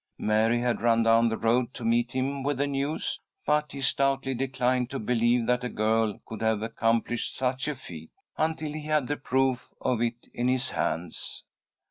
Mary had run down the road to meet him with the news, but he stoutly declined to believe that a girl could have accomplished such a feat, until he had the proof of it in his hands.